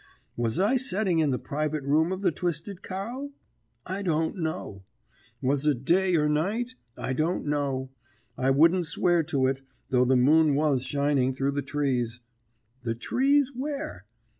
Was I setting in the private room of the Twisted Cow? I don't know. Was it day or night? I don't know. I wouldn't swear to it, though the moon was shining through the trees. The trees where?